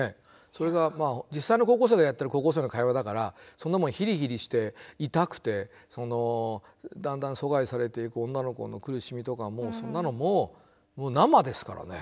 それが実際の高校生がやってる高校生の会話だからそんなものヒリヒリして痛くてだんだん疎外されていく女の子の苦しみとかもうそんなのももう生ですからね。